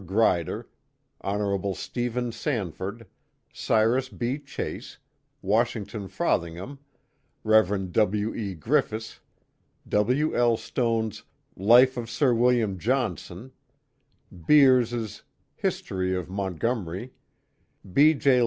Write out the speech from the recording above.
Grider, Hon. Stephen Sanford, Cyrus B. Chase, Washington Frothingham, Rev. W. E. Griffis, W. L. Stone's Life of Sir William Johnson^ Beers's History of Mont gomery^ B. J.